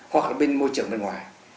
hoặc là bên môi trường bên ngoài